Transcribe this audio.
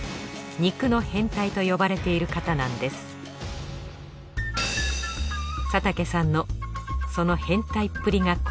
肉の変態と呼ばれている方なんです佐竹さんのその変態っぷりが